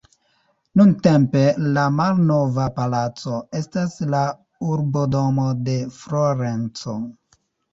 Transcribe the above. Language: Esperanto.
Nuntempe la "Malnova Palaco" estas la urbodomo de Florenco.